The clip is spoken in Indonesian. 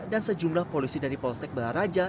dan sejumlah polisi dari polsek balaraja